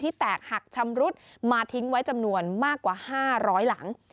แตกหักชำรุดมาทิ้งไว้จำนวนมากกว่า๕๐๐หลัง